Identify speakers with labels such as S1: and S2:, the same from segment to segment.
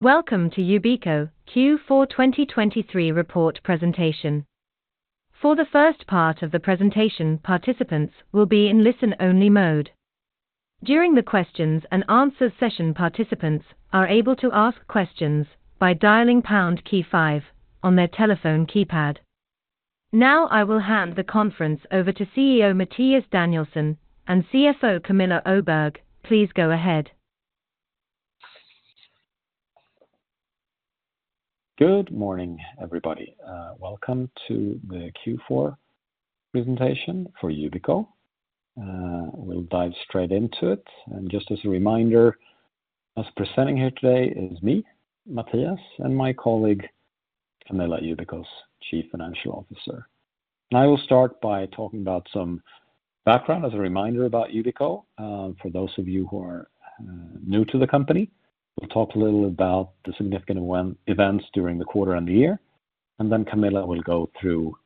S1: Welcome to Yubico Q4 2023 report presentation. For the first part of the presentation, participants will be in listen-only mode. During the questions and answers session, participants are able to ask questions by dialing pound key five on their telephone keypad. Now, I will hand the conference over to CEO Mattias Danielsson and CFO Camilla Öberg. Please go ahead.
S2: Good morning, everybody. Welcome to the Q4 presentation for Yubico. We'll dive straight into it, and just as a reminder, us presenting here today is me, Mattias, and my colleague, Camilla, Yubico's Chief Financial Officer. I will start by talking about some background as a reminder about Yubico, for those of you who are new to the company. We'll talk a little about the significant events during the quarter and the year, and then Camilla will go through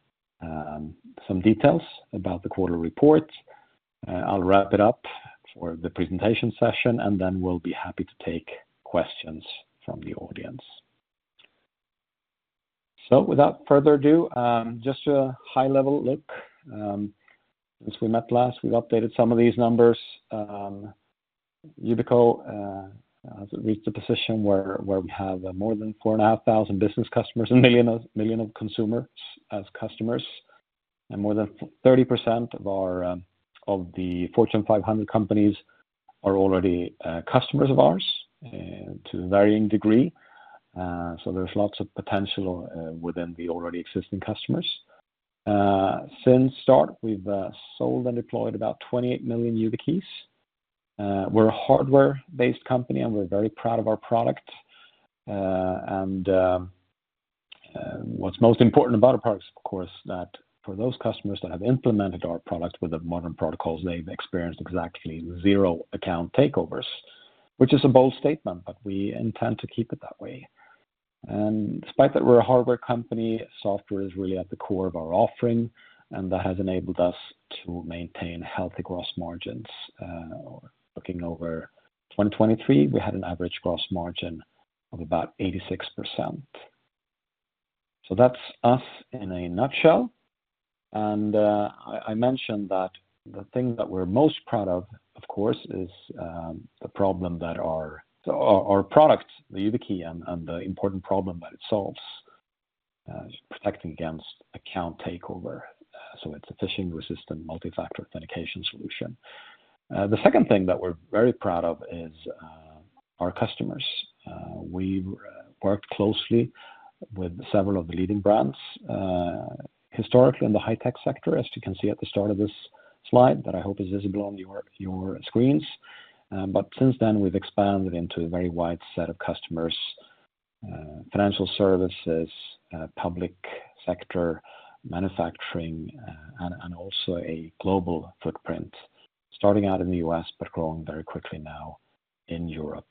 S2: some details about the quarter report. I'll wrap it up for the presentation session, and then we'll be happy to take questions from the audience. So without further ado, just a high-level look. Since we met last, we've updated some of these numbers. Yubico has reached a position where we have more than 4,500 business customers, 1 million consumers as customers, and more than 30% of the Fortune 500 companies are already customers of ours to varying degree. So there's lots of potential within the already existing customers. Since start, we've sold and deployed about 28 million YubiKeys. We're a hardware-based company, and we're very proud of our product. And what's most important about our product is, of course, that for those customers that have implemented our product with the modern protocols, they've experienced exactly 0 account takeovers, which is a bold statement, but we intend to keep it that way. Despite that, we're a hardware company, software is really at the core of our offering, and that has enabled us to maintain healthy gross margins. Looking over 2023, we had an average gross margin of about 86%. That's us in a nutshell. I mentioned that the thing that we're most proud of, of course, is the problem that our product, the YubiKey, and the important problem that it solves is protecting against account takeover. So it's a phishing-resistant multi-factor authentication solution. The second thing that we're very proud of is our customers. We've worked closely with several of the leading brands historically in the high tech sector, as you can see at the start of this slide that I hope is visible on your screens. But since then, we've expanded into a very wide set of customers, financial services, public sector, manufacturing, and also a global footprint, starting out in the U.S., but growing very quickly now in Europe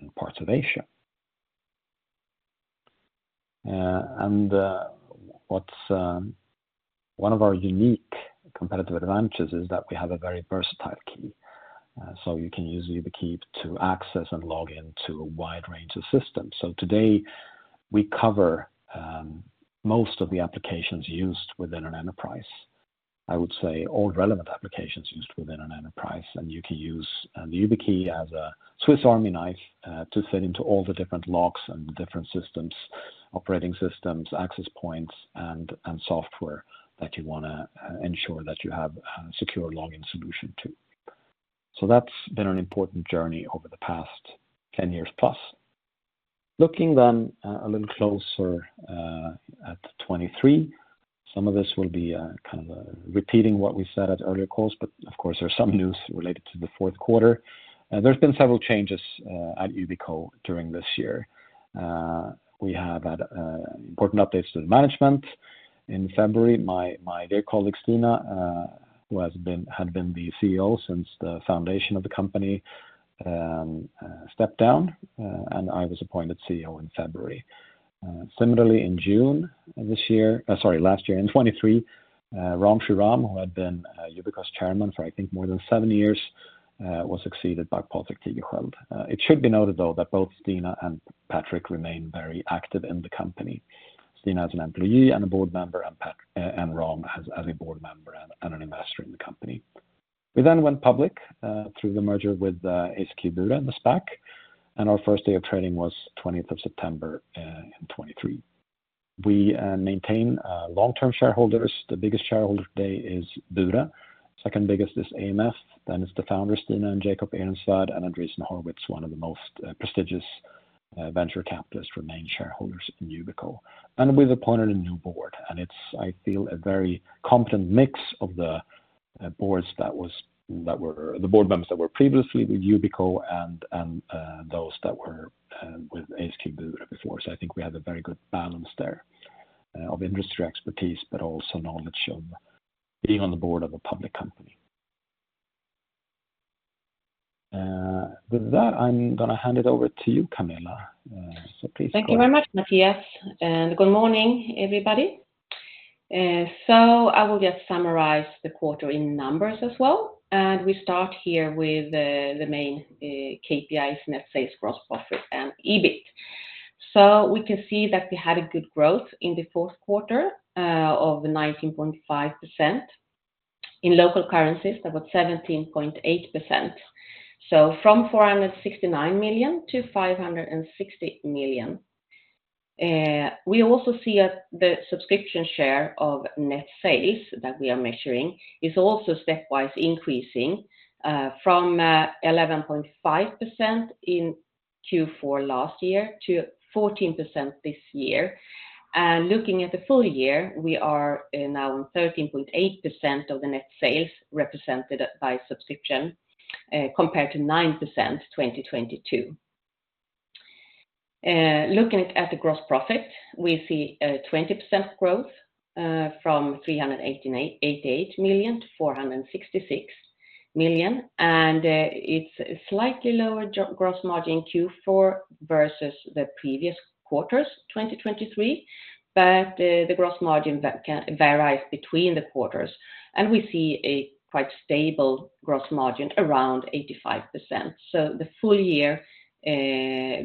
S2: and parts of Asia. And what's one of our unique competitive advantages is that we have a very versatile key. So you can use YubiKey to access and log in to a wide range of systems. So today, we cover most of the applications used within an enterprise. I would say all relevant applications used within an enterprise, and you can use the YubiKey as a Swiss Army knife to fit into all the different locks and different systems, operating systems, access points, and software that you wanna ensure that you have a secure login solution to. So that's been an important journey over the past 10 years plus. Looking then a little closer at 2023, some of this will be kind of repeating what we said at earlier calls, but of course, there's some news related to the fourth quarter. There's been several changes at Yubico during this year. We have had important updates to the management. In February, my dear colleague, Stina, who had been the CEO since the foundation of the company, stepped down, and I was appointed CEO in February. Similarly, in June of this year, sorry, last year, in 2023, Ram Shriram, who had been Yubico's chairman for, I think, more than 7 years, was succeeded by Patrik Tigerschiöld. It should be noted, though, that both Stina and Patrik remain very active in the company. Stina as an employee and a board member, and Patrik and Ram as a board member and an investor in the company. We then went public through the merger with ACQ Bure, the SPAC, and our first day of trading was 20th of September in 2023. We maintain long-term shareholders. The biggest shareholder today is Bure, second biggest is AMF, then it's the founder, Stina and Jakob Ehrensvärd, and Andreessen Horowitz, one of the most prestigious venture capitalists, remain shareholders in Yubico. And we've appointed a new board, and it's, I feel, a very competent mix of the boards that were the board members that were previously with Yubico and those that were with ACQ Bure before. I think we have a very good balance there of industry expertise, but also knowledge of being on the board of a public company. With that, I'm gonna hand it over to you, Camilla. Please go ahead.
S3: Thank you very much, Mattias, and good morning, everybody. I will just summarize the quarter in numbers as well. We start here with the main KPIs, net sales, gross profit, and EBIT. We can see that we had a good growth in the fourth quarter of 19.5%. In local currencies, that was 17.8%. So from 469 million to 560 million. We also see that the subscription share of net sales that we are measuring is also stepwise increasing, from 11.5% in Q4 last year to 14% this year. And looking at the full year, we are now on 13.8% of the net sales represented by subscription, compared to 9% in 2022. Looking at the gross profit, we see a 20% growth from 388 million to 466 million, and it's a slightly lower gross margin Q4 versus the previous quarters, 2023, but the gross margin can varies between the quarters, and we see a quite stable gross margin around 85%. So the full year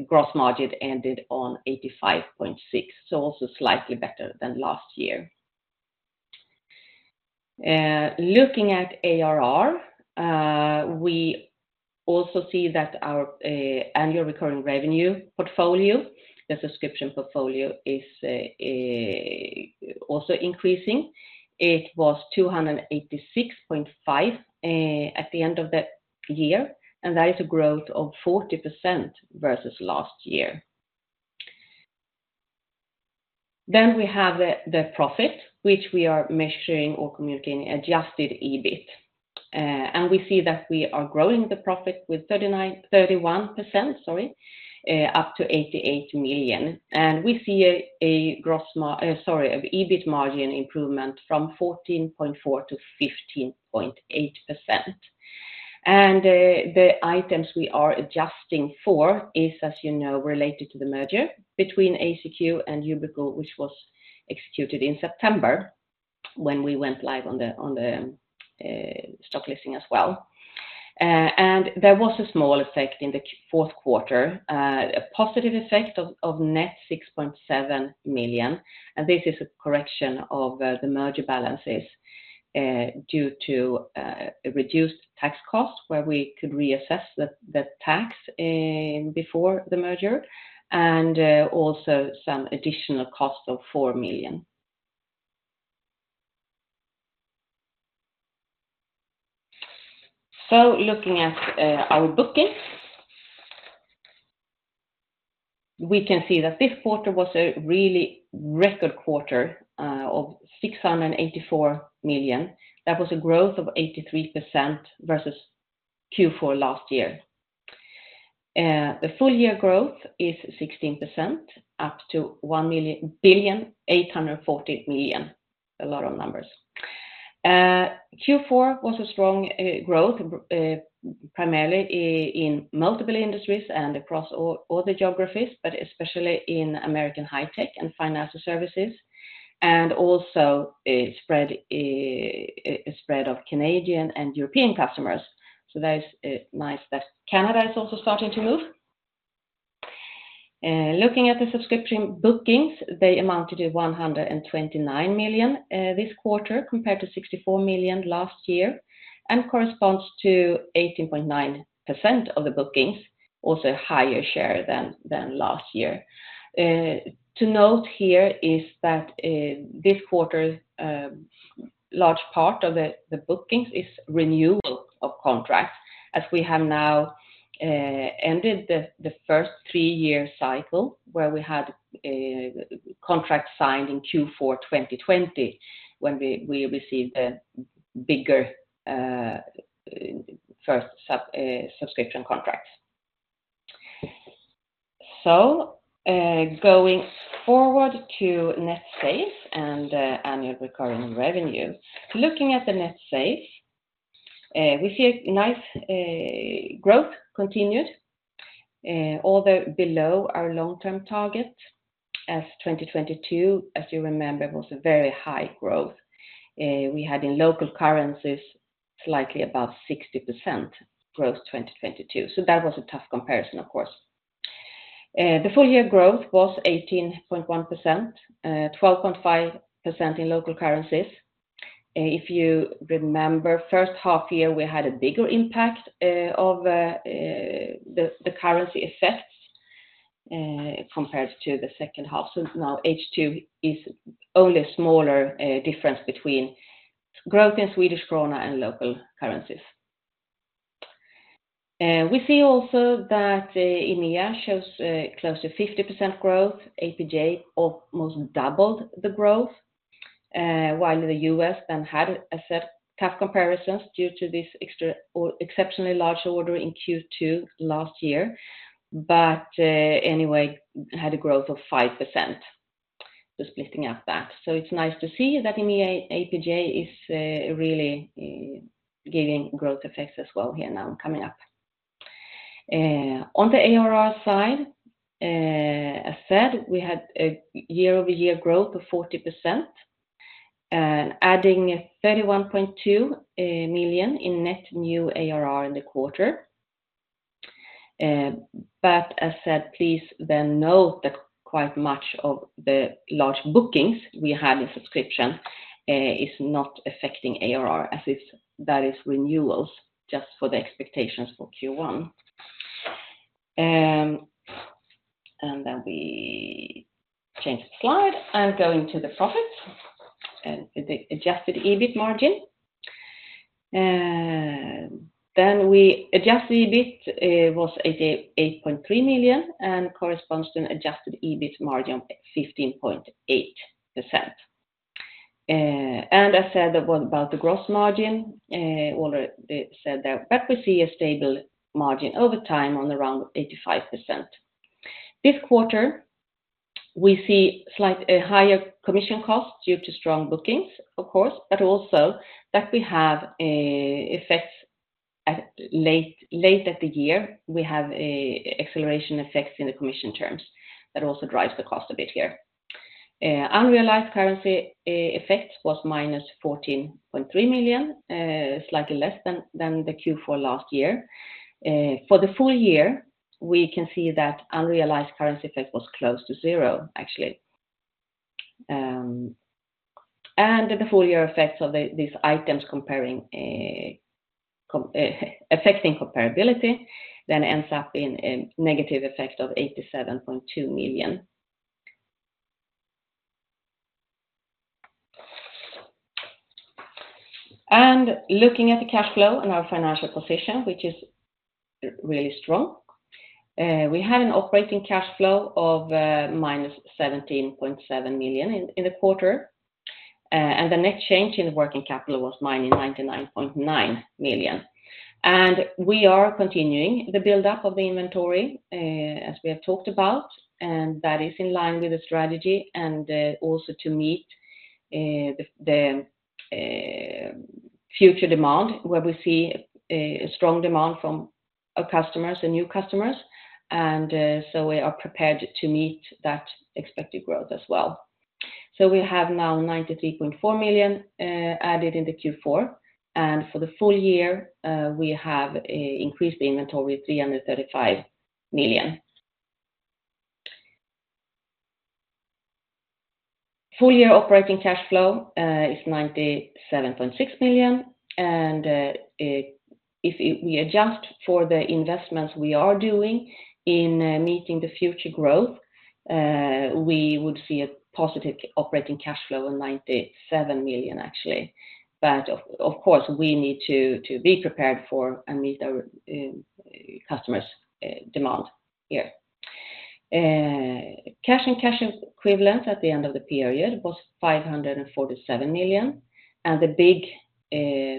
S3: gross margin ended on 85.6%, so also slightly better than last year. Looking at ARR, we also see that our annual recurring revenue portfolio, the subscription portfolio, is also increasing. It was 286.5 million at the end of the year, and that is a growth of 40% versus last year. Then we have the profit, which we are measuring or communicating adjusted EBIT. We see that we are growing the profit with 31%, sorry, up to 88 million. We see an EBIT margin improvement from 14.4%-15.8%. The items we are adjusting for, as you know, are related to the merger between ACQ and Yubico, which was executed in September, when we went live on the stock listing as well. There was a small effect in the fourth quarter, a positive effect of net 6.7 million, and this is a correction of the merger balances due to reduced tax costs, where we could reassess the tax before the merger, and also some additional cost of 4 million. So looking at our bookings, we can see that this quarter was a really record quarter of 684 million. That was a growth of 83% versus Q4 last year. The full year growth is 16%, up to 1,840 million. A lot of numbers. Q4 was a strong growth primarily in multiple industries and across all, all the geographies, but especially in American high tech and financial services, and also a spread, a spread of Canadian and European customers. So that is nice that Canada is also starting to move. Looking at the subscription bookings, they amounted to 129 million this quarter, compared to 64 million last year, and corresponds to 18.9% of the bookings, also higher share than, than last year. To note here is that this quarter, large part of the bookings is renewal of contracts, as we have now ended the first three-year cycle, where we had a contract signed in Q4 2020, when we received the bigger first subscription contracts. So, going forward to net sales and annual recurring revenue. Looking at the net sales, we see a nice growth continued, although below our long-term target, as 2022, as you remember, was a very high growth. We had in local currencies, slightly above 60% growth, 2022. So that was a tough comparison, of course. The full year growth was 18.1%, 12.5% in local currencies. If you remember, first half year, we had a bigger impact of the currency effects compared to the second half. So now H2 is only a smaller difference between growth in Swedish krona and local currencies. We see also that EMEA shows close to 50% growth, APJ almost doubled the growth, while the US then had a set tough comparisons due to this extra or exceptionally large order in Q2 last year, but anyway, had a growth of 5%. Just splitting up that. So it's nice to see that in the APJ is really giving growth effects as well here now coming up. On the ARR side, as said, we had a year-over-year growth of 40%, adding 31.2 million in net new ARR in the quarter. But as said, please then note that quite much of the large bookings we had in subscription is not affecting ARR, as if that is renewals just for the expectations for Q1. And then we change the slide and go into the profits and the adjusted EBIT margin. Then we adjusted EBIT was 88.3 million SEK and corresponds to an adjusted EBIT margin of 15.8%. And I said about the gross margin, Walter said that, but we see a stable margin over time on around 85%. This quarter, we see slight, a higher commission cost due to strong bookings, of course, but also that we have a effect at late at the year, we have a acceleration effects in the commission terms. That also drives the cost a bit here. Unrealized currency effect was -14.3 million, slightly less than the Q4 last year. For the full year, we can see that unrealized currency effect was close to zero, actually. And the full year effects of these items comparing affecting comparability then ends up in a negative effect of -87.2 million. Looking at the cash flow and our financial position, which is really strong, we had an operating cash flow of -17.7 million in the quarter, and the net change in working capital was -99.9 million. We are continuing the buildup of the inventory, as we have talked about, and that is in line with the strategy and also to meet the future demand, where we see a strong demand from our customers and new customers, and so we are prepared to meet that expected growth as well. We have now 93.4 million added in the Q4, and for the full year, we have increased the inventory 335 million. Full-year operating cash flow is 97.6 million, and if we adjust for the investments we are doing in meeting the future growth, we would see a positive operating cash flow of 97 million, actually. But of course, we need to be prepared for and meet our customers demand here. Cash and cash equivalent at the end of the period was 547 million, and the big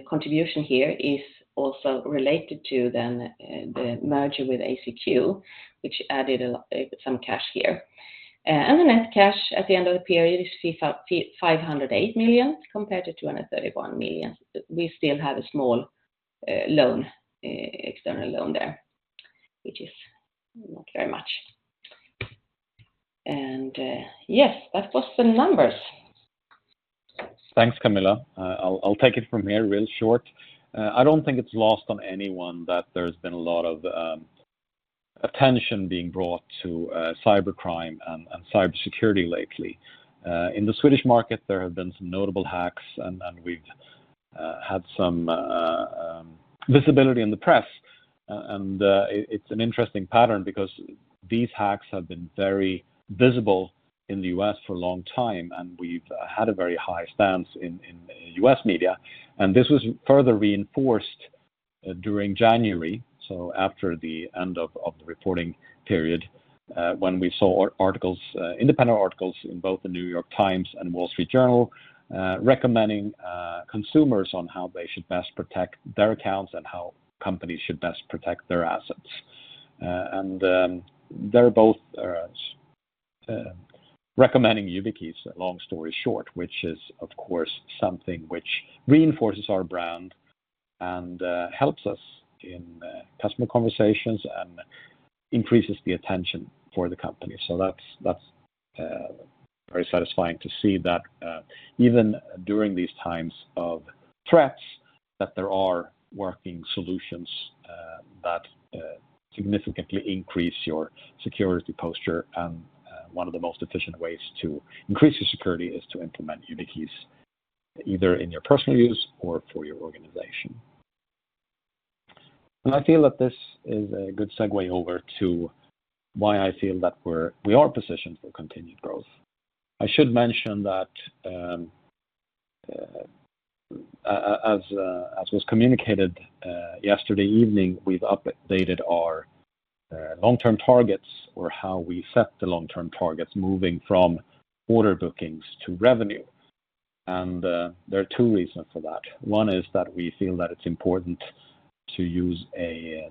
S3: contribution here is also related to then the merger with ACQ, which added some cash here. And the net cash at the end of the period is 508 million, compared to 231 million. We still have a small loan, external loan there, which is not very much. And yes, that was the numbers.
S2: Thanks, Camilla. I'll take it from here real short. I don't think it's lost on anyone that there's been a lot of attention being brought to cybercrime and cybersecurity lately. In the Swedish market, there have been some notable hacks, and we've had some visibility in the press. And it's an interesting pattern because these hacks have been very visible in the U.S. for a long time, and we've had a very high stance in U.S. media, and this was further reinforced during January, so after the end of the reporting period, when we saw articles, independent articles in both The New York Times and The Wall Street Journal, recommending consumers on how they should best protect their accounts and how companies should best protect their assets. They're both recommending YubiKeys, long story short, which is, of course, something which reinforces our brand and helps us in customer conversations and increases the attention for the company. So that's very satisfying to see that even during these times of threats, that there are working solutions that significantly increase your security posture. And one of the most efficient ways to increase your security is to implement YubiKeys, either in your personal use or for your organization. And I feel that this is a good segue over to why I feel that we are positioned for continued growth. I should mention that, as was communicated yesterday evening, we've updated our long-term targets or how we set the long-term targets, moving from order bookings to revenue. And, there are two reasons for that. One is that we feel that it's important to use a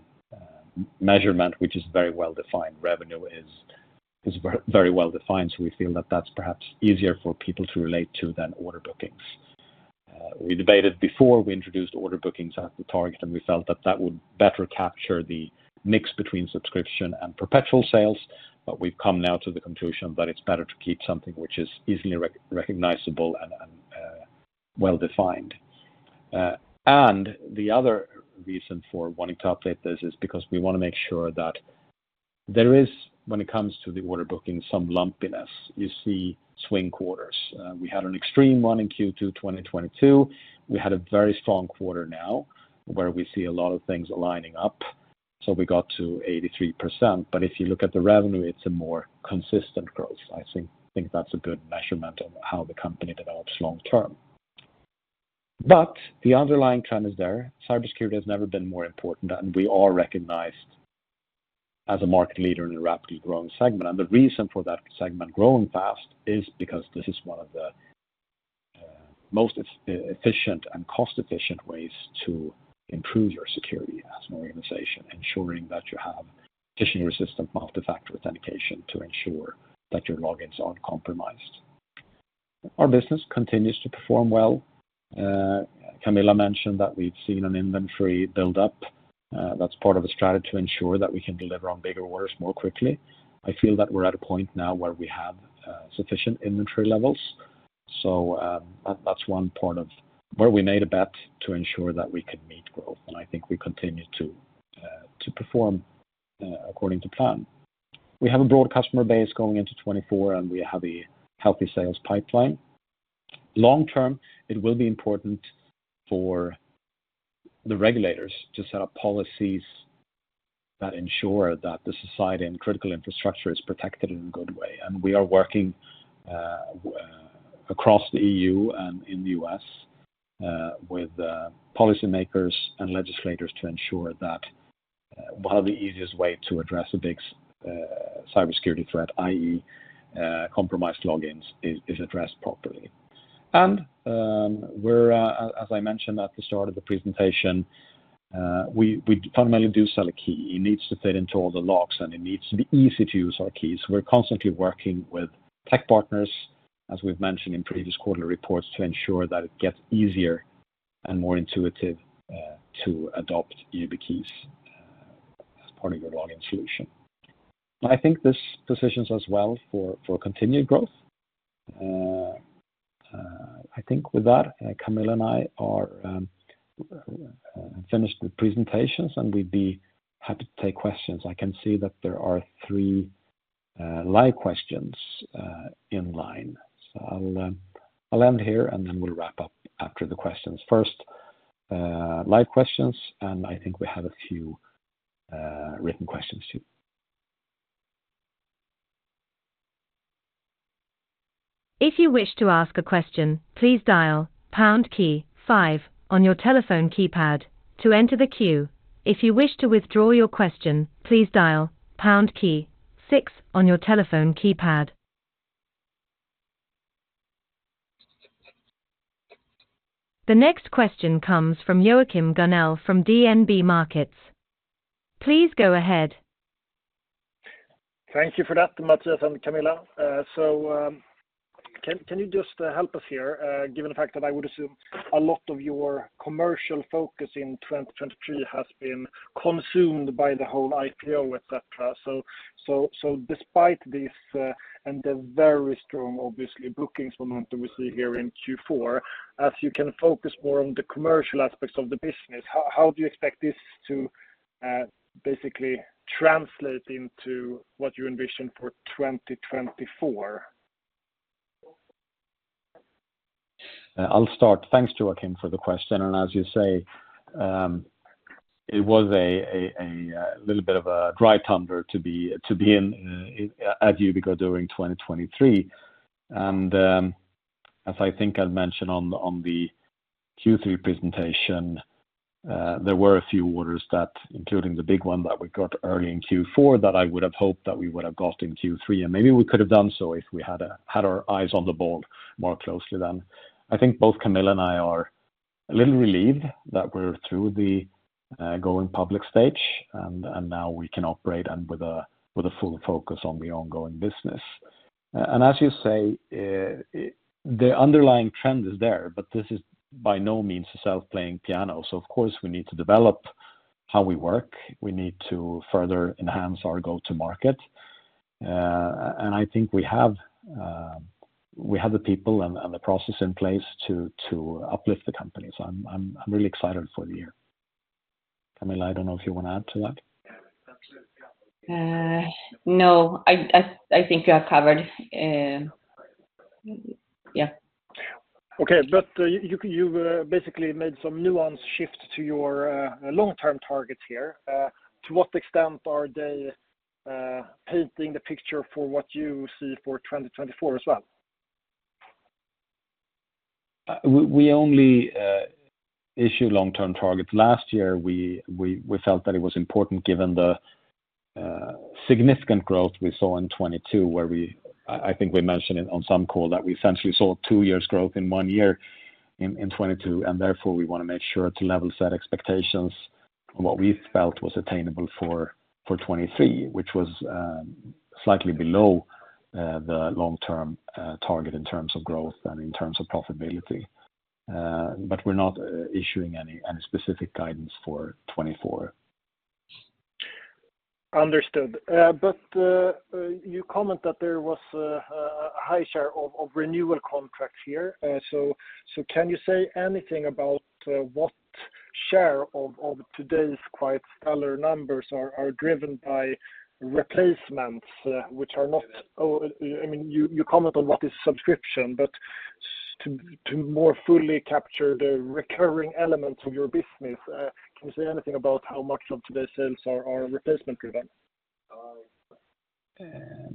S2: measurement, which is very well defined. Revenue is very well defined, so we feel that that's perhaps easier for people to relate to than order bookings. We debated before we introduced order bookings as the target, and we felt that that would better capture the mix between subscription and perpetual sales. But we've come now to the conclusion that it's better to keep something which is easily recognizable and well-defined. And the other reason for wanting to update this is because we wanna make sure that there is, when it comes to the order booking, some lumpiness. You see swing quarters. We had an extreme one in Q2 2022. We had a very strong quarter now, where we see a lot of things aligning up, so we got to 83%. But if you look at the revenue, it's a more consistent growth. I think that's a good measurement of how the company develops long term. But the underlying trend is there. Cybersecurity has never been more important, and we are recognized as a market leader in a rapidly growing segment. And the reason for that segment growing fast is because this is one of the most efficient and cost-efficient ways to improve your security as an organization, ensuring that you have phishing-resistant multifactor authentication to ensure that your logins aren't compromised. Our business continues to perform well. Camilla mentioned that we've seen an inventory build up. That's part of a strategy to ensure that we can deliver on bigger orders more quickly. I feel that we're at a point now where we have sufficient inventory levels, so that's one part of where we made a bet to ensure that we could meet growth, and I think we continue to perform according to plan. We have a broad customer base going into 2024, and we have a healthy sales pipeline. Long term, it will be important for the regulators to set up policies that ensure that the society and critical infrastructure is protected in a good way. We are working across the E.U. and in the U.S. with policymakers and legislators to ensure that one of the easiest way to address a big cybersecurity threat, i.e., compromised logins, is addressed properly. And, we're as I mentioned at the start of the presentation, we fundamentally do sell a key. It needs to fit into all the locks, and it needs to be easy to use our keys. We're constantly working with tech partners, as we've mentioned in previous quarterly reports, to ensure that it gets easier and more intuitive to adopt YubiKeys as part of your login solution. I think this positions us well for continued growth. I think with that, Camilla and I are finished with presentations, and we'd be happy to take questions. I can see that there are three live questions in line. So I'll end here, and then we'll wrap up after the questions. First, live questions, and I think we have a few written questions, too.
S1: If you wish to ask a question, please dial pound key five on your telephone keypad to enter the queue. If you wish to withdraw your question, please dial pound key six on your telephone keypad. The next question comes from Joachim Gunell from DNB Markets. Please go ahead.
S4: Thank you for that, Mattias and Camilla. So, can you just help us here, given the fact that I would assume a lot of your commercial focus in 2023 has been consumed by the whole IPO, et cetera. So despite this, and the very strong, obviously, bookings momentum we see here in Q4, as you can focus more on the commercial aspects of the business, how do you expect this to basically translate into what you envision for 2024?
S2: I'll start. Thanks, Joachim, for the question, and as you say, it was a little bit of a dry thunder to be in at Yubico during 2023. As I think I mentioned on the Q3 presentation, there were a few orders that, including the big one that we got early in Q4, that I would have hoped that we would have got in Q3, and maybe we could have done so if we had had our eyes on the ball more closely then. I think both Camilla and I are a little relieved that we're through the going public stage, and now we can operate with a full focus on the ongoing business. And as you say, the underlying trend is there, but this is by no means a self-playing piano. So of course, we need to develop how we work. We need to further enhance our go-to-market. And I think we have the people and the process in place to uplift the company. So I'm really excited for the year. Camilla, I don't know if you wanna add to that?
S3: No, I think you have covered, yeah.
S4: Okay, but you've basically made some nuance shift to your long-term targets here. To what extent are they painting the picture for what you see for 2024 as well?
S2: We only issue long-term targets. Last year, we felt that it was important, given the significant growth we saw in 2022, where we... I think we mentioned it on some call, that we essentially saw two years' growth in one year in 2022, and therefore we wanna make sure to level set expectations... what we felt was attainable for 2023, which was slightly below the long-term target in terms of growth and in terms of profitability. But we're not issuing any specific guidance for 2024.
S4: Understood. But you comment that there was a high share of renewal contracts here. So can you say anything about what share of today's quite stellar numbers are driven by replacements, which are not? I mean, you comment on what is subscription, but to more fully capture the recurring elements of your business, can you say anything about how much of today's sales are replacement driven?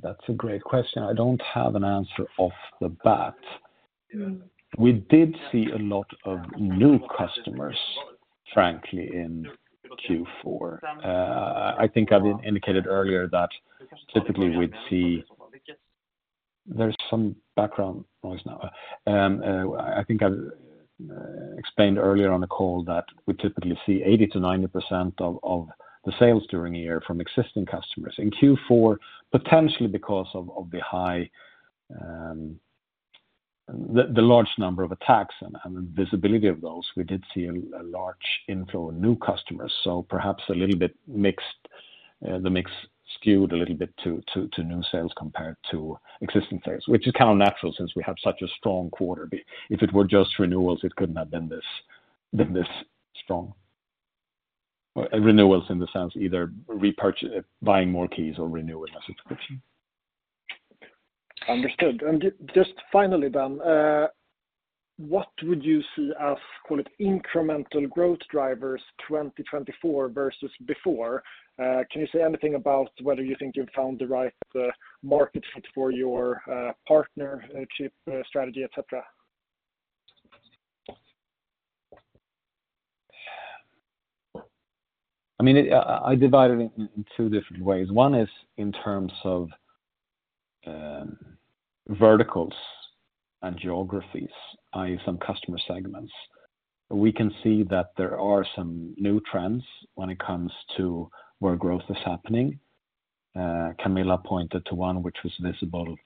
S2: That's a great question. I don't have an answer off the bat. We did see a lot of new customers, frankly, in Q4. I think I've indicated earlier that typically we'd see 80%-90% of the sales during the year from existing customers. In Q4, potentially because of the high, the large number of attacks and the visibility of those, we did see a large inflow of new customers, so perhaps a little bit mixed. The mix skewed a little bit to new sales compared to existing sales, which is kind of natural since we have such a strong quarter. If it were just renewals, it couldn't have been this strong. Renewals in the sense either buying more keys or renewing a subscription.
S4: Understood. And just finally then, what would you see as, call it, incremental growth drivers, 2024 versus before? Can you say anything about whether you think you've found the right, market fit for your, partner, chip strategy, et cetera?
S2: I mean, I divide it in two different ways. One is in terms of verticals and geographies, i.e., some customer segments. We can see that there are some new trends when it comes to where growth is happening. Camilla pointed to one which was visible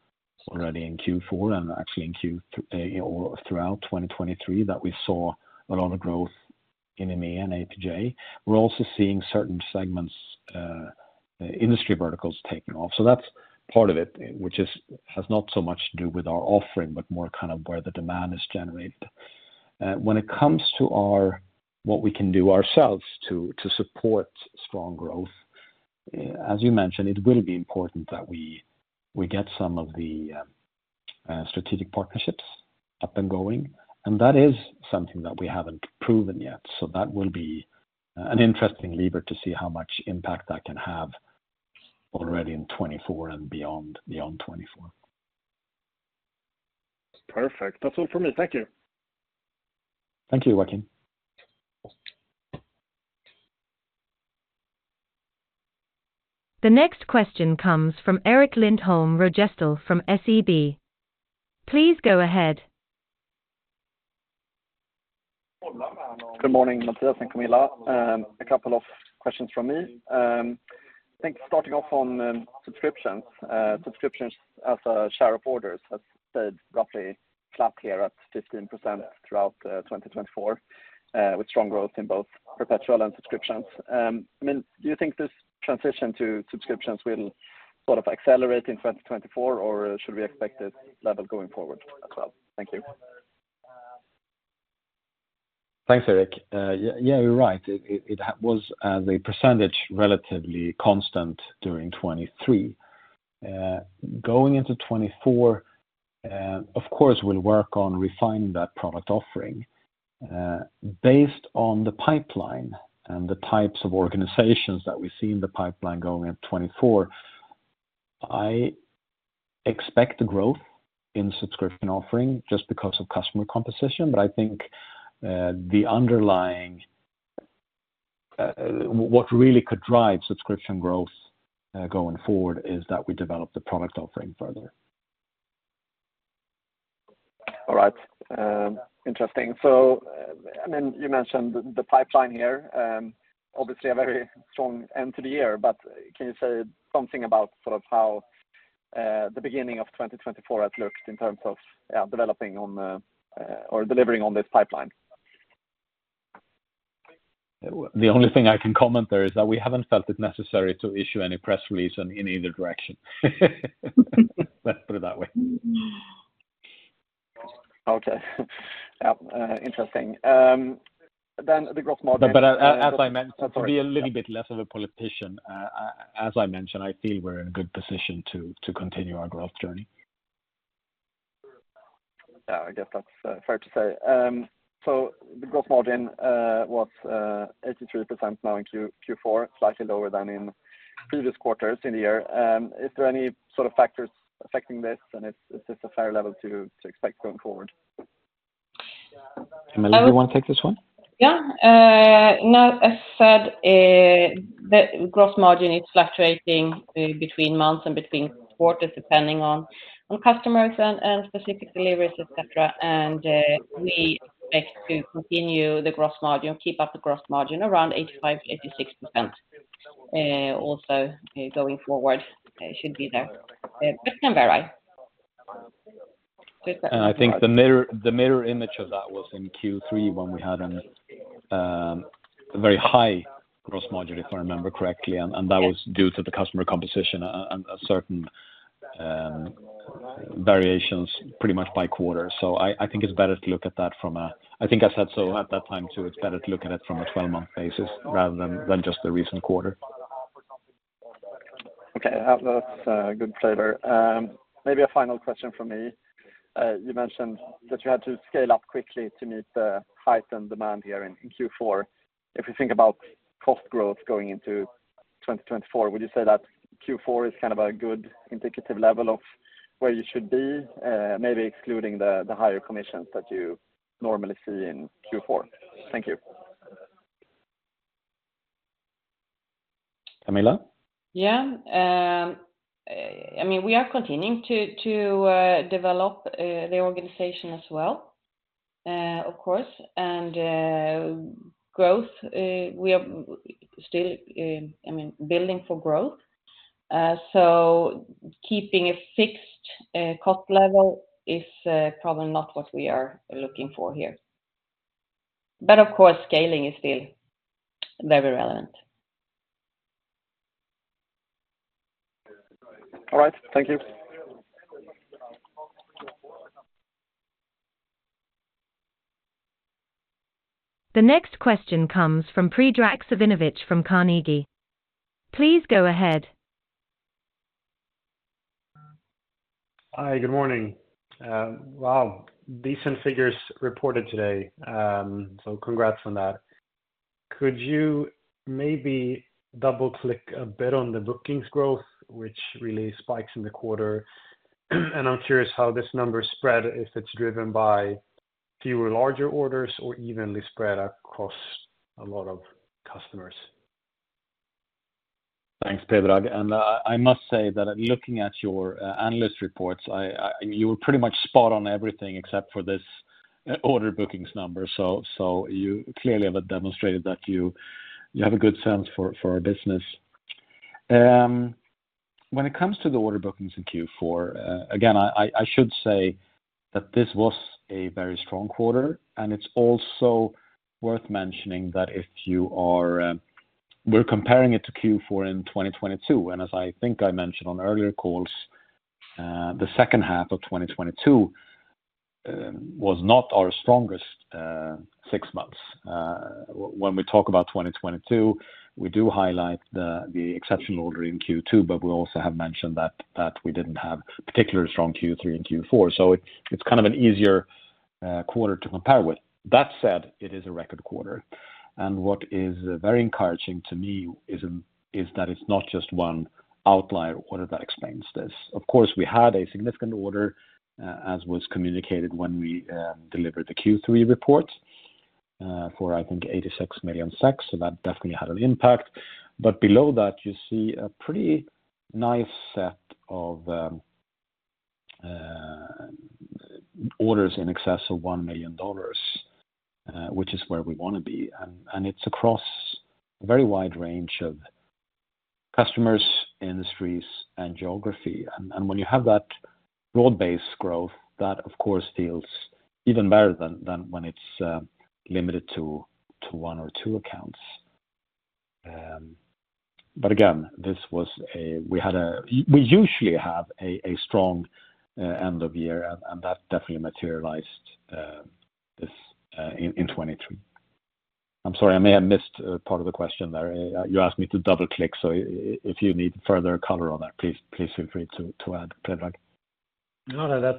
S2: already in Q4 and actually in Q or throughout 2023, that we saw a lot of growth in ME and APJ. We're also seeing certain segments, industry verticals taking off. So that's part of it, which has not so much to do with our offering, but more kind of where the demand is generated. When it comes to our, what we can do ourselves to support strong growth, as you mentioned, it will be important that we get some of the strategic partnerships up and going, and that is something that we haven't proven yet. So that will be an interesting lever to see how much impact that can have already in 2024 and beyond, beyond 2024.
S4: Perfect. That's all for me. Thank you.
S2: Thank you, Joakim.
S1: The next question comes from Erik Lindholm-Röjestål from SEB. Please go ahead.
S5: Good morning, Mattias and Camilla. A couple of questions from me. I think starting off on subscriptions. Subscriptions as a share of orders has stayed roughly flat here at 15% throughout 2024, with strong growth in both perpetual and subscriptions. I mean, do you think this transition to subscriptions will sort of accelerate in 2024, or should we expect this level going forward as well? Thank you.
S2: Thanks, Erik. Yeah, you're right. It was the percentage relatively constant during 2023. Going into 2024, of course, we'll work on refining that product offering based on the pipeline and the types of organizations that we see in the pipeline going in 2024. I expect the growth in subscription offering just because of customer composition, but I think the underlying what really could drive subscription growth going forward is that we develop the product offering further.
S5: All right. Interesting. So, I mean, you mentioned the pipeline here, obviously a very strong end to the year, but can you say something about sort of how the beginning of 2024 has looked in terms of developing on the or delivering on this pipeline?
S2: The only thing I can comment there is that we haven't felt it necessary to issue any press release in either direction. Let's put it that way.
S5: Okay. Yeah, interesting. Then the growth margin-
S2: But as I mentioned, to be a little bit less of a politician, as I mentioned, I feel we're in a good position to continue our growth journey.
S5: Yeah, I guess that's fair to say. So the growth margin was 83% now in Q4, slightly lower than in previous quarters in the year. Is there any sort of factors affecting this, and is this a fair level to expect going forward?
S2: Camilla, you want to take this one?
S3: Yeah. No, as said...... The gross margin is fluctuating between months and between quarters, depending on customers and specific deliveries, et cetera. We expect to continue the gross margin, keep up the gross margin around 85%-86%. Also, going forward, it should be there, but can vary.
S2: I think the mirror, the mirror image of that was in Q3, when we had a very high gross margin, if I remember correctly, and that was due to the customer composition and a certain variations pretty much by quarter. So I think it's better to look at that from a. I think I said so at that time, too, it's better to look at it from a 12-month basis rather than just the recent quarter.
S5: Okay, that's good flavor. Maybe a final question from me. You mentioned that you had to scale up quickly to meet the heightened demand here in Q4. If you think about cost growth going into 2024, would you say that Q4 is kind of a good indicative level of where you should be, maybe excluding the higher commissions that you normally see in Q4? Thank you.
S2: Camilla?
S3: Yeah, I mean, we are continuing to develop the organization as well, of course, and growth, we are still, I mean, building for growth. So keeping a fixed cost level is probably not what we are looking for here. But of course, scaling is still very relevant.
S5: All right. Thank you.
S1: The next question comes from Predrag Savinovic from Carnegie. Please go ahead.
S6: Hi, good morning. Wow, decent figures reported today, so congrats on that. Could you maybe double-click a bit on the bookings growth, which really spikes in the quarter? I'm curious how this number spread, if it's driven by fewer larger orders or evenly spread across a lot of customers.
S2: Thanks, Predrag, and I must say that looking at your analyst reports, I-- you were pretty much spot on everything except for this order bookings number. So you clearly have demonstrated that you have a good sense for our business. When it comes to the order bookings in Q4, again, I should say that this was a very strong quarter, and it's also worth mentioning that if you are-- we're comparing it to Q4 in 2022, and as I think I mentioned on earlier calls, the second half of 2022 was not our strongest six months. When we talk about 2022, we do highlight the exceptional order in Q2, but we also have mentioned that we didn't have particularly strong Q3 and Q4. So it's kind of an easier quarter to compare with. That said, it is a record quarter, and what is very encouraging to me is that it's not just one outlier order that explains this. Of course, we had a significant order as was communicated when we delivered the Q3 report for, I think, 86 million, so that definitely had an impact. But below that, you see a pretty nice set of orders in excess of $1 million, which is where we want to be. And it's across a very wide range of customers, industries, and geography. And when you have that broad-based growth, that, of course, feels even better than when it's limited to one or two accounts. But again, we usually have a strong end of year, and that definitely materialized in 2023. I'm sorry, I may have missed a part of the question there. You asked me to double-click, so if you need further color on that, please feel free to add, Predrag.
S6: No, that's,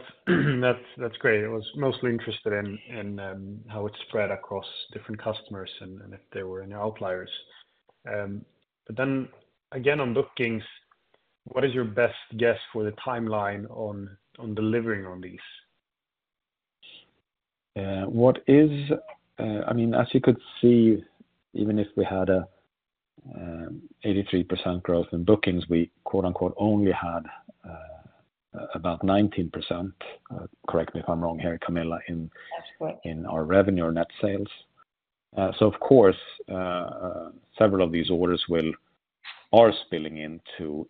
S6: that's, that's great. I was mostly interested in, in, how it's spread across different customers and, and if there were any outliers. But then again, on bookings, what is your best guess for the timeline on, on delivering on these?
S2: What is, I mean, as you could see, even if we had a 83% growth in bookings, we quote-unquote "only had" about 19%, correct me if I'm wrong here, Camilla, in-
S3: That's correct.
S2: in our revenue or net sales. So of course, several of these orders are spilling into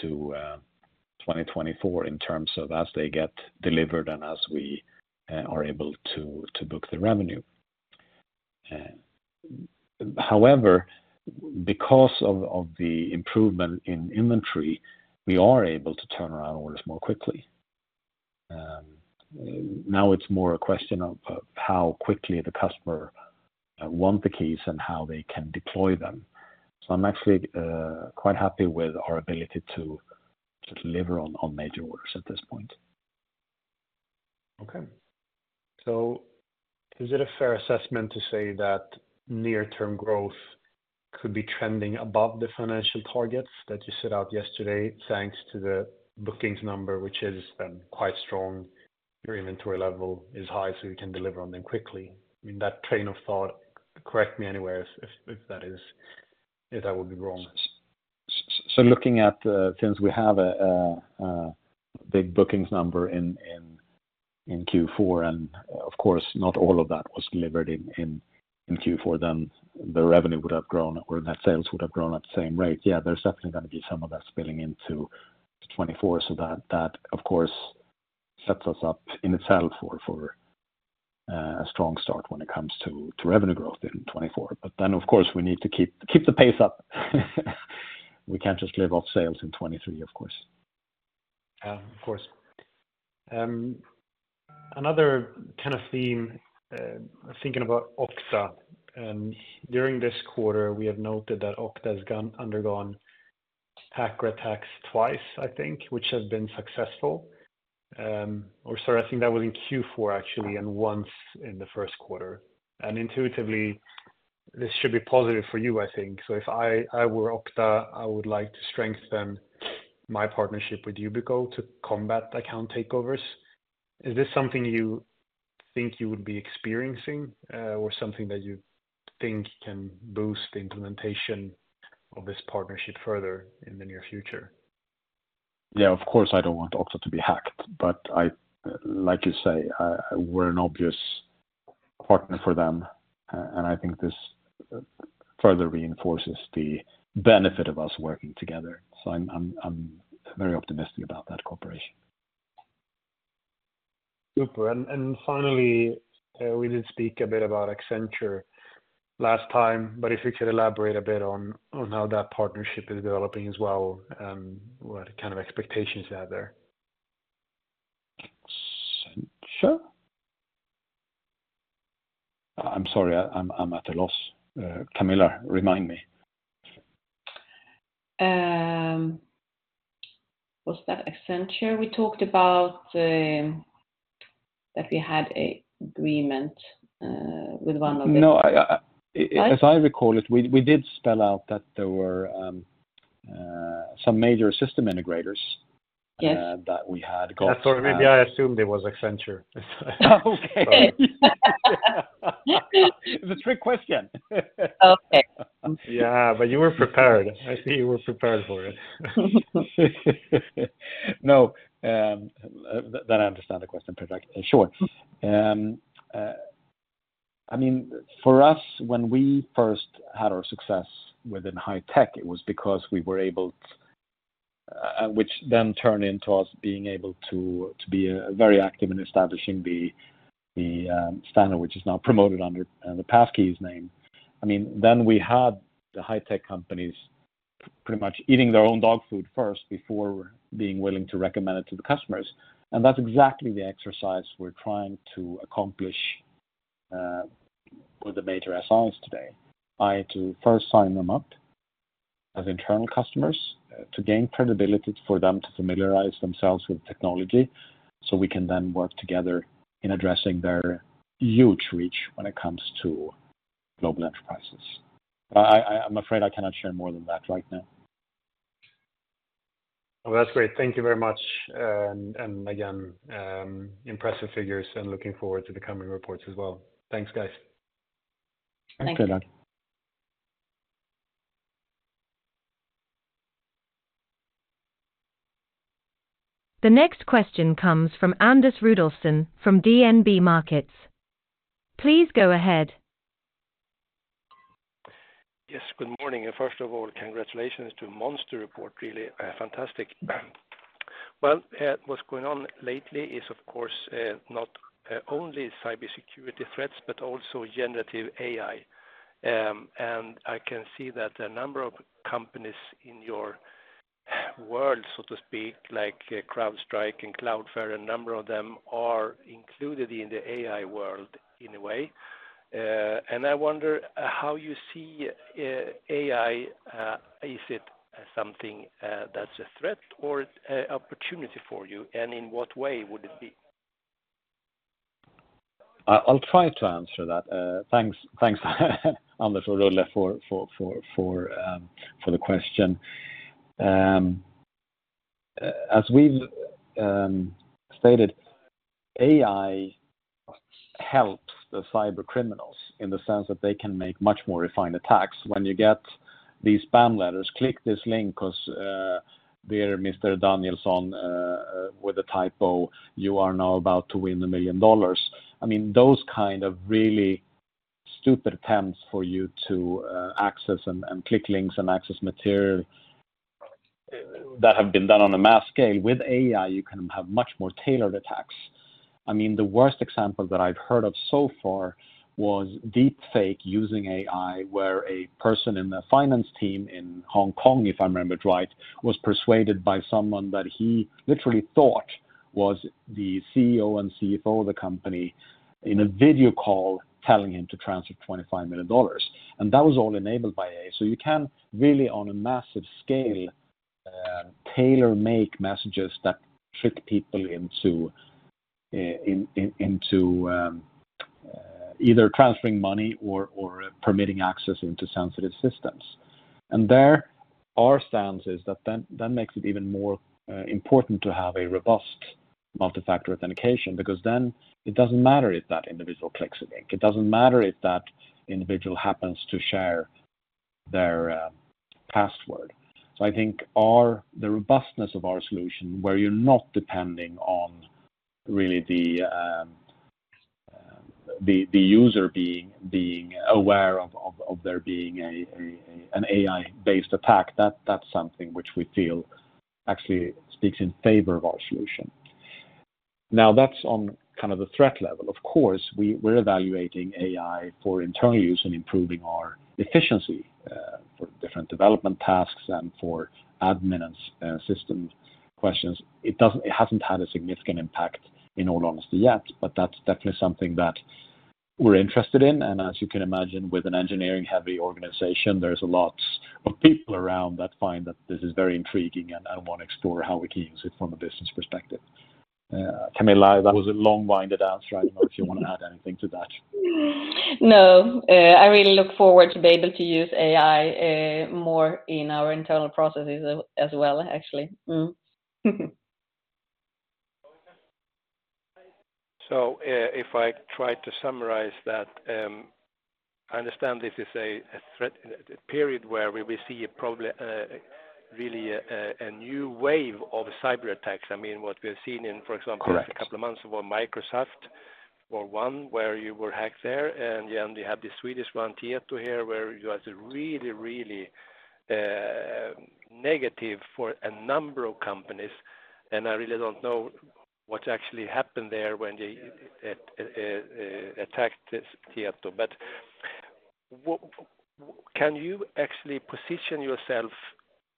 S2: 2024 in terms of as they get delivered and as we are able to book the revenue. However, because of the improvement in inventory, we are able to turn around orders more quickly. Now it's more a question of how quickly the customer want the keys and how they can deploy them. So I'm actually quite happy with our ability to deliver on major orders at this point.
S6: Okay. So is it a fair assessment to say that near-term growth could be trending above the financial targets that you set out yesterday, thanks to the bookings number, which is quite strong? Your inventory level is high, so you can deliver on them quickly. I mean, that train of thought, correct me anywhere if that is, if I would be wrong.
S2: So looking at, since we have a big bookings number in Q4, and of course, not all of that was delivered in Q4, then the revenue would have grown or net sales would have grown at the same rate. Yeah, there's definitely gonna be some of that spilling into 2024. So that, of course, sets us up in itself for a strong start when it comes to revenue growth in 2024. But then, of course, we need to keep the pace up. We can't just live off sales in 2023, of course.
S6: Yeah, of course. Another kind of theme, thinking about Okta, during this quarter, we have noted that Okta has undergone hacker attacks twice, I think, which has been successful. Or sorry, I think that was in Q4, actually, and once in the first quarter. Intuitively, this should be positive for you, I think. So if I, I were Okta, I would like to strengthen my partnership with Yubico to combat account takeovers. Is this something you think you would be experiencing, or something that you think can boost the implementation of this partnership further in the near future?
S2: Yeah, of course, I don't want Okta to be hacked, but I, like you say, we're an obvious partner for them, and I think this further reinforces the benefit of us working together. So I'm very optimistic about that cooperation.
S6: Super. And finally, we did speak a bit about Accenture last time, but if you could elaborate a bit on how that partnership is developing as well, what kind of expectations you have there?
S2: Accenture? I'm sorry, I'm, I'm at a loss. Camilla, remind me.
S3: Was that Accenture we talked about? That we had a agreement with one of the-
S2: No, I
S3: What?
S2: As I recall it, we did spell out that there were some major system integrators-
S3: Yes...
S2: that we had
S6: That's, maybe I assumed it was Accenture.
S2: Okay. It's a trick question.
S3: Okay.
S6: Yeah, but you were prepared. I see you were prepared for it.
S2: No, then I understand the question pretty sure. I mean, for us, when we first had our success within high tech, it was because we were able, which then turned into us being able to, to be, very active in establishing the, the, standard, which is now promoted under, the Passkeys name. I mean, then we had the high tech companies pretty much eating their own dog food first before being willing to recommend it to the customers. And that's exactly the exercise we're trying to accomplish, with the major SIs today. I had to first sign them up as internal customers, to gain credibility for them to familiarize themselves with technology, so we can then work together in addressing their huge reach when it comes to global enterprises. I'm afraid I cannot share more than that right now.
S6: Well, that's great. Thank you very much. And again, impressive figures and looking forward to the coming reports as well. Thanks, guys.
S2: Thanks.
S3: Thank you.
S1: The next question comes from Anders Rudolfsson from DNB Markets. Please go ahead.
S7: Yes, good morning. First of all, congratulations to a monster report. Really, fantastic. Well, what's going on lately is, of course, not only cybersecurity threats, but also generative AI. And I can see that a number of companies in your world, so to speak, like CrowdStrike and Cloudflare, a number of them are included in the AI world in a way. And I wonder how you see AI, is it something that's a threat or a opportunity for you, and in what way would it be?
S2: I'll try to answer that. Thanks, Anders Rudolfsson, for the question. As we've stated, AI helps the cybercriminals in the sense that they can make much more refined attacks. When you get these spam letters, click this link because, dear Mr. Danielsson, with a typo, you are now about to win $1 million. I mean, those kind of really stupid attempts for you to access and click links and access material that have been done on a mass scale. With AI, you can have much more tailored attacks. I mean, the worst example that I've heard of so far was deep fake using AI, where a person in the finance team in Hong Kong, if I remember it right, was persuaded by someone that he literally thought was the CEO and CFO of the company in a video call telling him to transfer $25 million, and that was all enabled by AI. So you can really, on a massive scale, tailor-make messages that trick people into either transferring money or permitting access into sensitive systems. And there, our stance is that that makes it even more important to have a robust multi-factor authentication, because then it doesn't matter if that individual clicks a link. It doesn't matter if that individual happens to share their password. So I think the robustness of our solution, where you're not depending on really the user being aware of there being an AI-based attack, that's something which we feel actually speaks in favor of our solution. Now, that's on kind of the threat level. Of course, we're evaluating AI for internal use and improving our efficiency for different development tasks and for admin and system questions. It hasn't had a significant impact, in all honesty, yet, but that's definitely something that we're interested in, and as you can imagine, with an engineering-heavy organization, there's a lots of people around that find that this is very intriguing, and I wanna explore how we can use it from a business perspective. Camilla, that was a long-winded answer. I don't know if you wanna add anything to that.
S3: No, I really look forward to be able to use AI more in our internal processes as well, actually.
S7: So, if I try to summarize that, I understand this is a threat period where we will see probably really a new wave of cyberattacks. I mean, what we have seen in, for example-
S2: Correct.
S7: A couple of months ago, Microsoft was one, where you were hacked there, and then you have the Swedish one, Tieto here, where you has a really, really, negative for a number of companies, and I really don't know what actually happened there when they attacked Tieto. But can you actually position yourself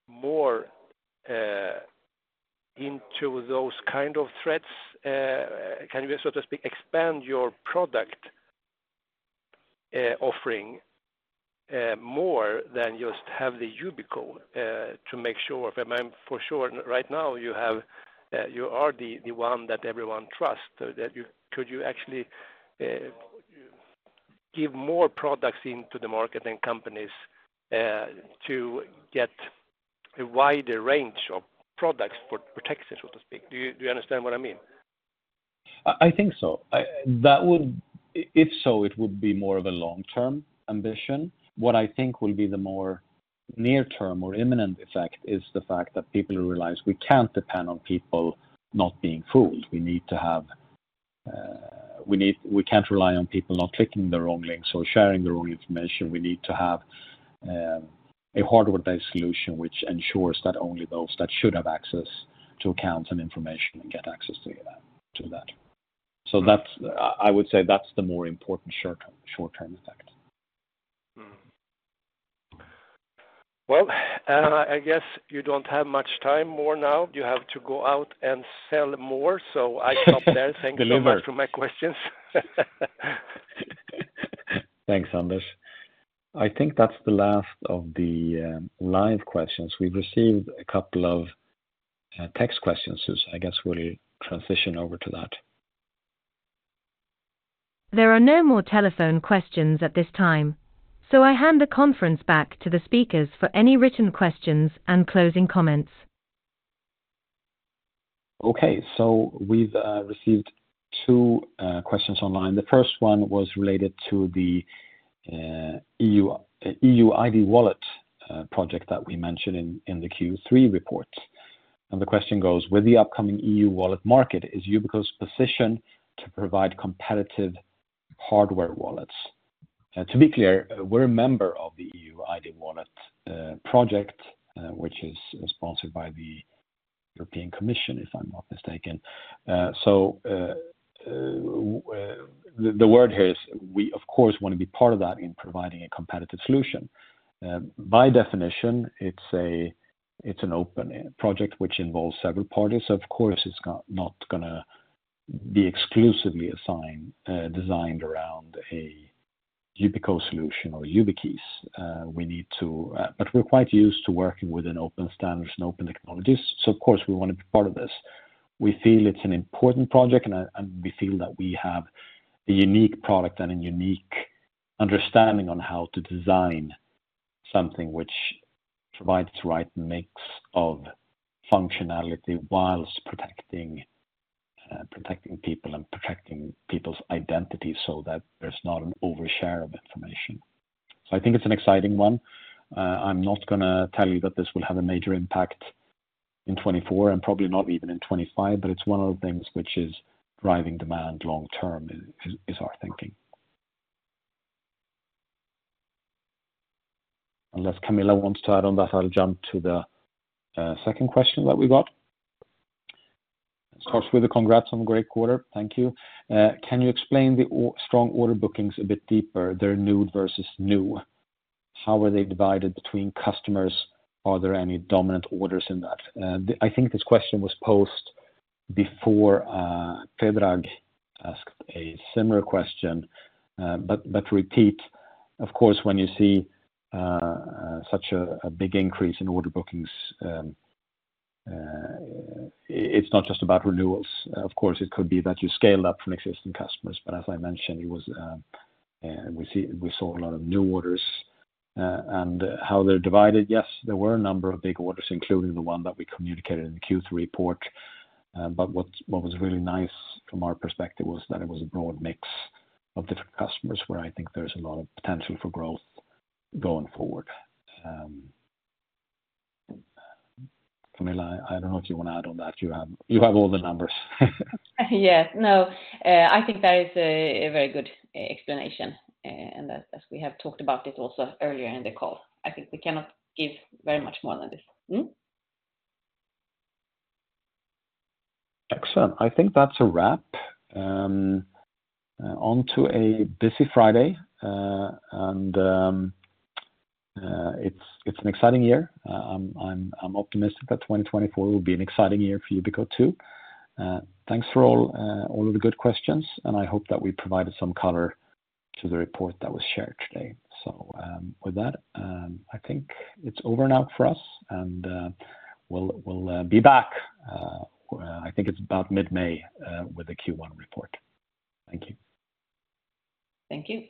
S7: more into those kind of threats? Can you, so to speak, expand your product offering more than just have the Yubico to make sure? I mean, for sure, right now, you have, you are the one that everyone trusts. So that you could actually give more products into the market and companies to get a wider range of products for protection, so to speak? Do you understand what I mean?
S2: I think so. If so, it would be more of a long-term ambition. What I think will be the more near-term or imminent effect is the fact that people realize we can't depend on people not being fooled. We need to have, we can't rely on people not clicking the wrong links or sharing the wrong information. We need to have a hardware-based solution which ensures that only those that should have access to accounts and information get access to that.
S7: Mm.
S2: So that's, I would say, that's the more important short-term, short-term effect.
S7: Well, I guess you don't have much time more now. You have to go out and sell more, so I stop there.
S2: Deliver.
S7: Thank you so much for my questions.
S2: Thanks, Anders. I think that's the last of the live questions. We've received a couple of text questions, so I guess we'll transition over to that.
S1: There are no more telephone questions at this time, so I hand the conference back to the speakers for any written questions and closing comments.
S2: Okay, so we've received two questions online. The first one was related to the EU ID Wallet project that we mentioned in the Q3 report. And the question goes: With the upcoming EU wallet market, is Yubico's position to provide competitive hardware wallets? To be clear, we're a member of the EU ID Wallet project, which is sponsored by the European Commission, if I'm not mistaken. So, the word here is we, of course, wanna be part of that in providing a competitive solution. By definition, it's an open project which involves several parties. Of course, it's not gonna be exclusively assigned, designed around a Yubico solution or YubiKeys. But we're quite used to working with open standards and open technologies, so, of course, we wanna be part of this. We feel it's an important project, and, and we feel that we have a unique product and a unique understanding on how to design something which provides the right mix of functionality while protecting people and protecting people's identity so that there's not an overshare of information. So I think it's an exciting one. I'm not gonna tell you that this will have a major impact in 2024 and probably not even in 2025, but it's one of the things which is driving demand long term, is, is, is our thinking. Unless Camilla wants to add on that, I'll jump to the second question that we got. It starts with a congrats on great quarter. Thank you. Can you explain the strong order bookings a bit deeper, the renewed versus new? How are they divided between customers? Are there any dominant orders in that? I think this question was posed before, Predrag asked a similar question, but repeat, of course, when you see such a big increase in order bookings, it's not just about renewals. Of course, it could be that you scale up from existing customers, but as I mentioned, it was, we saw a lot of new orders, and how they're divided, yes, there were a number of big orders, including the one that we communicated in the Q3 report. But what was really nice from our perspective was that it was a broad mix of different customers, where I think there's a lot of potential for growth going forward. Camilla, I don't know if you wanna add on that. You have all the numbers.
S3: Yes. No, I think that is a very good explanation, and as we have talked about it also earlier in the call, I think we cannot give very much more than this. Mm-hmm.
S2: Excellent. I think that's a wrap. Onto a busy Friday, and it's an exciting year. I'm optimistic that 2024 will be an exciting year for Yubico, too. Thanks for all of the good questions, and I hope that we provided some color to the report that was shared today. So, with that, I think it's over now for us, and we'll be back. I think it's about mid-May with the Q1 report. Thank you.
S3: Thank you.